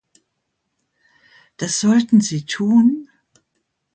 Das sollten Sie tun!